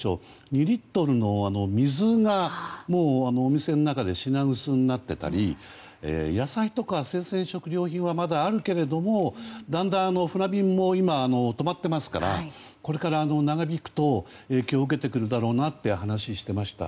２リットルの水がもうお店の中で品薄になっていたり野菜とか生鮮食料品はまだあるけれどもだんだん船便も止まっていますからこれから長引くと影響を受けてくるだろうなと話をしていました。